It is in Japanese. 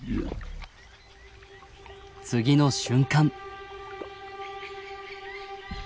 次の瞬間。